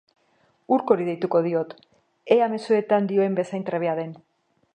Urkori deituko diot, ea mezuetan dioen bezain trebea den.